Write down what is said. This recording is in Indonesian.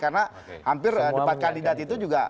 karena hampir debat kandidat itu juga